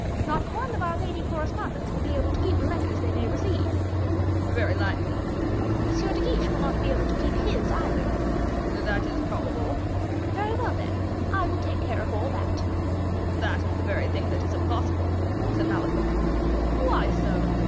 Not one of our lady correspondents will be able to keep the letters they may receive." "Very likely." "M. de Guiche will not be able to keep his either." "That is probable." "Very well, then; I will take care of all that." "That is the very thing that is impossible," said Malicorne. "Why so?"